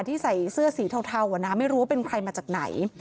ที่ใส่เสื้อสีเทาไม่รู้ว่าเป็นใครมาจากไหน